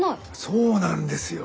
そうなんですよ！